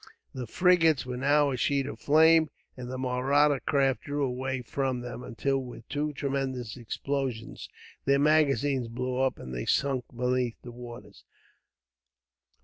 The frigates were now a sheet of flames, and the Mahratta craft drew away from them; until, with two tremendous explosions, their magazines blew up and they sank beneath the waters.